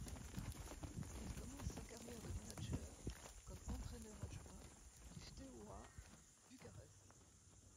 Il commence sa carrière de manager comme entraîneur adjoint du Steaua Bucarest.